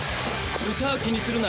歌は気にするな。